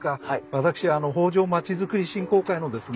私北条街づくり振興会のですね